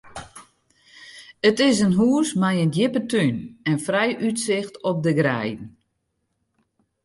It is in hús mei in djippe tún en frij útsicht op de greiden.